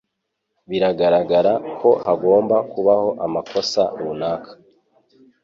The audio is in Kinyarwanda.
Biragaragara ko hagomba kubaho amakosa runaka.